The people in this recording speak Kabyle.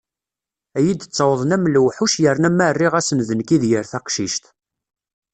Ad iyi-d-ttawḍen am lewḥuc yerna ma rriɣ-asen d nekk i d yir taqcict.